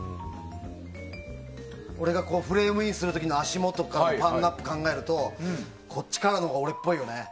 俺がフレームインする時の足元のパンアップを考えるとこっちからのほうが俺っぽいよね。